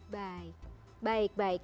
baik baik baik